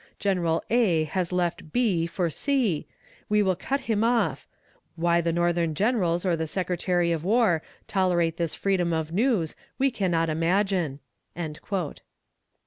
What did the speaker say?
General A has left B for C . We will cut him off. Why the Northern generals or the Secretary of War tolerate this freedom of news we cannot imagine.'"